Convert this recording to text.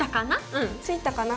うんついたかな？